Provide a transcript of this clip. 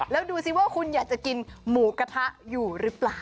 แล้วดูสิว่าคุณอยากจะกินหมูกระทะอยู่หรือเปล่า